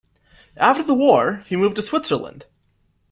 After the war, he moved to Switzerland.